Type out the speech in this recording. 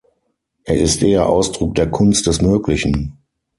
Er ist eher Ausdruck der Kunst des Möglichen.